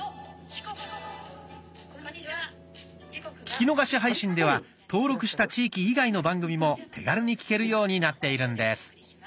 「聴き逃し配信」では登録した地域以外の番組も手軽に聴けるようになっているんです。